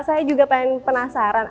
saya juga pengen penasaran